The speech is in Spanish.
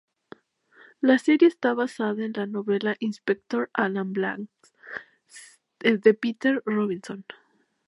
La serie está basada en las novelas "Inspector Alan Banks" de Peter Robinson.